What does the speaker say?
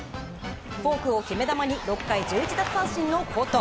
フォークを決め球に６回１１奪三振の好投。